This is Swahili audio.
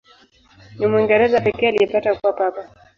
Ni Mwingereza pekee aliyepata kuwa Papa.